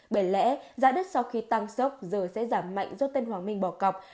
bởi lẽ giá đất sau khi tăng sốc giờ sẽ giảm mạnh do tân hoàng minh bỏ cọc